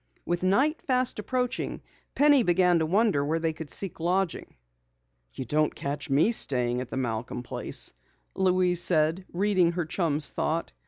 With night fast approaching Penny began to wonder where they could seek lodging. "You don't catch me staying at the Malcom place," Louise said, reading her chum's thought.